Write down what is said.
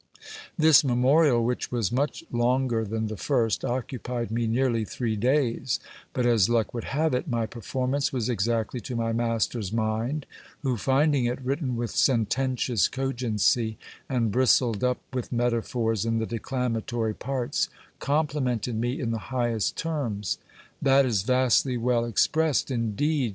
This memorial, which was much longer than the first, occupied me nearly three days ; but as luck would have it, my performance was exactly to my mas ter's mind, who finding it written with sententious cogency, and bristled up with metaphors in the declamatory parts, complimented me in the highest terms. That is vastly well expressed indeed